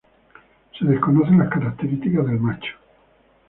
Se desconocen las características del macho.